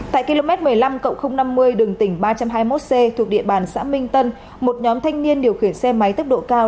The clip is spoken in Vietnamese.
tại km một mươi năm năm mươi đường tỉnh ba trăm hai mươi một c thuộc địa bàn xã minh tân một nhóm thanh niên điều khiển xe máy tốc độ cao